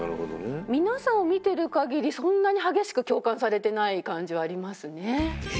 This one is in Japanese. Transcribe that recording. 皆さんを見てる限りそんなに激しく共感されてない感じはありますね。